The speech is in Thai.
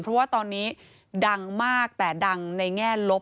เพราะว่าตอนนี้ดังมากแต่ดังในแง่ลบ